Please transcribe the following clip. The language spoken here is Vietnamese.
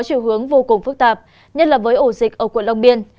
chiều hướng vô cùng phức tạp nhất là với ổ dịch ở quận long biên